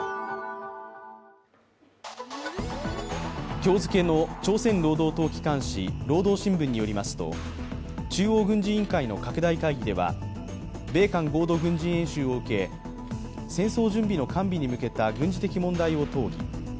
今日付けの朝鮮労働党機関紙「労働新聞」によりますと、中央軍事委員会の拡大会議では米韓合同軍事演習を受け戦争準備の完備に向けた軍事的問題を討議。